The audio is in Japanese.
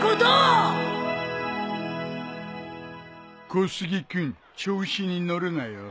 小杉君調子に乗るなよ。